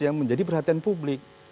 yang menjadi perhatian publik